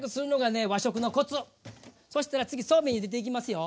そしたら次そうめんゆでていきますよ。